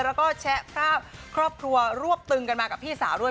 แล้วก็แชะภาพครอบครัวรวบตึงกันมากับพี่สาวด้วย